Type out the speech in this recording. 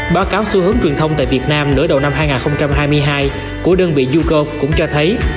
báo cáo xu hướng truyền thông tại việt nam nửa đầu năm hai nghìn hai mươi hai của đơn vị yuko cũng cho thấy